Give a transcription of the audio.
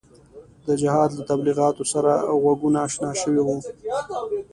د جهاد له تبلیغاتو سره غوږونه اشنا شوي وو.